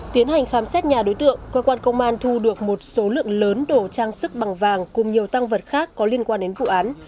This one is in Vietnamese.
tiến hành khám xét nhà đối tượng cơ quan công an thu được một số lượng lớn đồ trang sức bằng vàng cùng nhiều tăng vật khác có liên quan đến vụ án